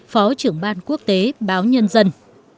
phó trưởng ban quốc tế báo nhân dân